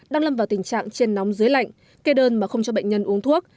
đang lâm vào tình trạng trên nóng dưới lạnh kê đơn mà không cho bệnh nhân uống thuốc